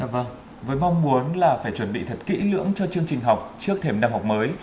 vâng với mong muốn là phải chuẩn bị thật kỹ lưỡng cho chương trình học trước thềm năm học mới